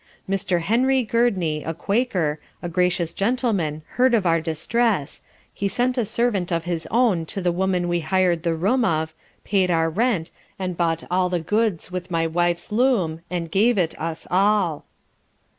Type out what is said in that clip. Mr. Henry Gurdney, a Quaker, a gracious gentleman heard of our distress, he sent a servant of his own to the woman we hired the room of, paid our rent, and bought all the goods with my wife's loom and gave it us all.